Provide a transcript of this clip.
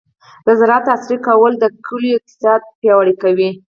د زراعت عصري کول د کلیو اقتصاد پیاوړی کوي.